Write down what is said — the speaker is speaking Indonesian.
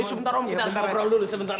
sebentar om kita harus ngobrol dulu sebentar